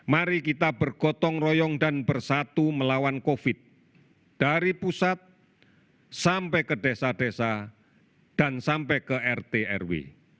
mari kita bergotong royong dan bersatu melawan covid dari pusat sampai ke desa desa dan sampai ke rt rw